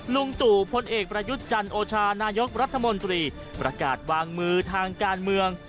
ลุงตู่พลเอกประยุทธ์จันโอชานายกรัฐมนตรีประกาศวางมือทางการเมือง